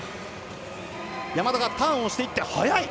山田がターンをしていって速い！